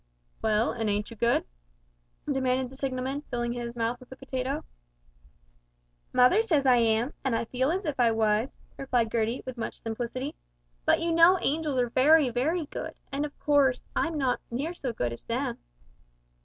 "Well, and ain't you good?" demanded the signalman, filling his mouth with a potato. "Mother says I am, and I feel as if I was," replied Gertie with much simplicity, "but you know angels are very very good, and, of course, I'm not near so good as them."